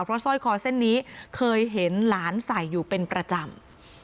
เพราะสร้อยคอเส้นนี้เคยเห็นหลานใส่อยู่เป็นประจำ